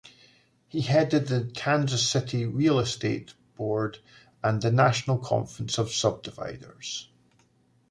He headed the Kansas City Real Estate Board and the National Conference of Subdividers.